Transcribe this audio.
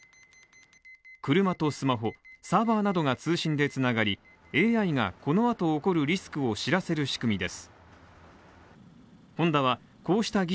クルマとスマホサーバーなどが通信で繋がり、ＡＩがこの後起こるリスクを知らせる仕組みです。